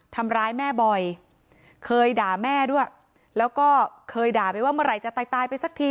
ทำร้ายแม่บ่อยเคยด่าแม่ด้วยแล้วก็เคยด่าไปว่าเมื่อไหร่จะตายตายไปสักที